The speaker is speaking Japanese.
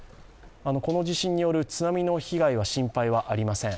この地震による津波の被害の心配はありません。